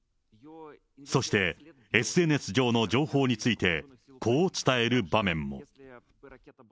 そしてＳＮＳ上の情報についてこう伝える場面も。